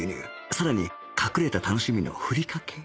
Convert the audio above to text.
さらに隠れた楽しみのふりかけ